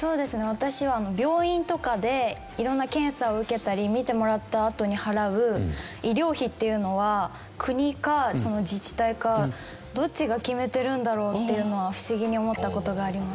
私は病院とかで色んな検査を受けたり診てもらったあとに払う医療費っていうのは国か自治体かどっちが決めているんだろう？っていうのは不思議に思った事があります。